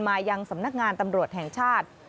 มายังสำนักงานตำรวจแห่งชาติ